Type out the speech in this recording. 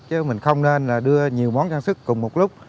chứ mình không nên là đưa nhiều món trang sức cùng một lúc